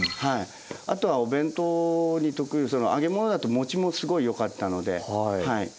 あとはお弁当に特有揚げ物だと保ちもすごいよかったので。